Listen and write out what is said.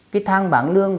cái thang bảng lương